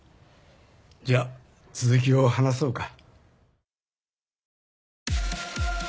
じゃあ続きを話そうか。